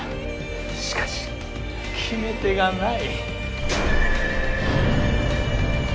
しかし決め手がない。